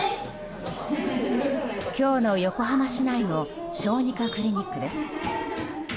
今日の横浜市内の小児科クリニックです。